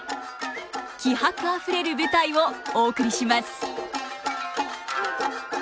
気迫あふれる舞台をお送りします。